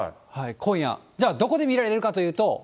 今夜どこで見られるかというと。